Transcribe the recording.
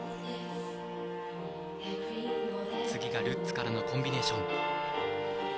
ルッツからのコンビネーション。